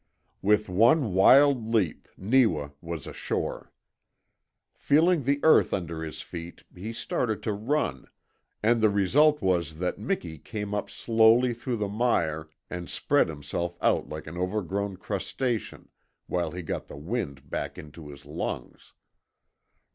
With one wild leap Neewa was ashore. Feeling the earth under his feet he started to run, and the result was that Miki came up slowly through the mire and spread himself out like an overgrown crustacean while he got the wind back into his lungs.